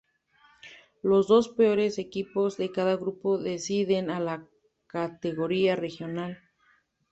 Los dos peores equipos de cada grupo descienden a la categoría regional.